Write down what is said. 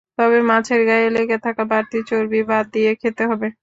তবে মাছের গায়ে লেগে থাকা বাড়তি চর্বি বাদ দিয়ে খেতে হবে।